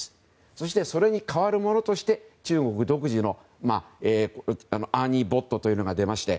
そして、それに代わるものとして中国独自のアーニー・ボットというのが出まして